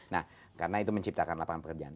nah karena itu menciptakan lapangan pekerjaan